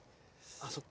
あそっか。